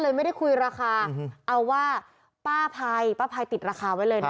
ไม่ได้คุยราคาเอาว่าป้าภัยป้าภัยติดราคาไว้เลยนะ